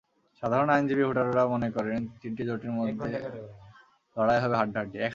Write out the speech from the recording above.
সাধারণ আইনজীবী ভোটাররা মনে করেন, তিনটি জোটের মধ্যেই লড়াই হবে হাড্ডাহাড্ডি।